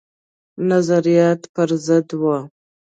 نظریات پر ضد وه.